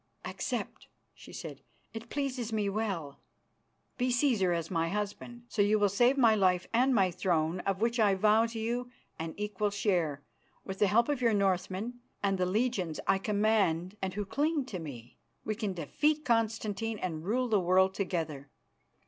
"Accept," she said. "It pleases me well. Be Cæsar as my husband. So you will save my life and my throne, of which I vow to you an equal share. With the help of your Northmen and the legions I command and who cling to me, we can defeat Constantine and rule the world together.